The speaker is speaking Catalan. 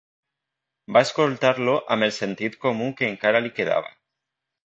Va escoltar-lo amb el sentit comú que encara li quedava.